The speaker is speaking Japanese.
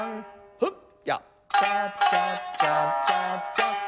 フッヤッチャチャチャチャチャン。